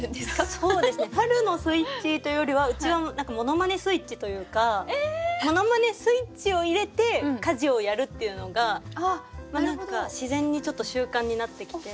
そうですね「春のスイッチ」というよりはうちはモノマネスイッチというかモノマネスイッチを入れて家事をやるっていうのが何か自然にちょっと習慣になってきて。